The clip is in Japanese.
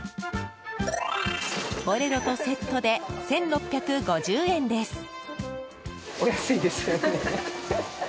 ボレロとセットで１６５０円です。